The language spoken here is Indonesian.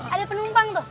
ada penumpang tuh